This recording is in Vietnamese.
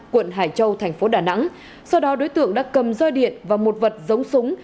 quận hải châu thành phố đà nẵng sau đó đối tượng đã cầm roi điện và một vật giống súng